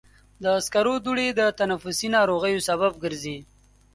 د سکرو دوړې د تنفسي ناروغیو سبب ګرځي.